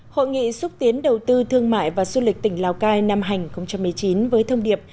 hội nghị xúc tiến đầu tư thương mại và xuân lịch tỉnh lào cai năm hành một mươi chín với thông điệp